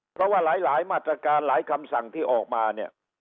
เพราะว่าหลายมาตรการหลายคำสั่งที่ออกมาเนี่ย